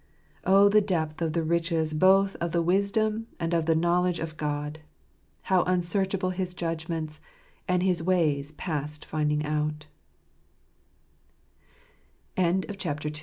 " Oh, the depth of the riches both of the wisdom and of the knowledge of God ! how unsearchable His judgments, and His ways past finding